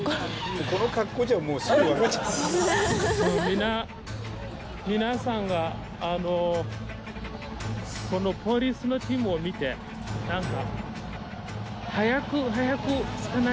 皆皆さんがこのポリスのチームを見てなんか。